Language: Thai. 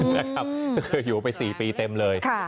ก็คืออยู่ไป๔ปีเต็มเลย